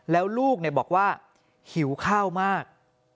แล้วลูกบอกว่าหิวข้าวมาก